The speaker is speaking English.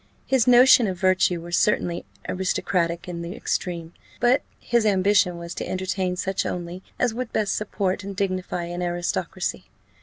His notions of virtue were certainly aristocratic in the extreme, but his ambition was to entertain such only as would best support and dignify an aristocracy.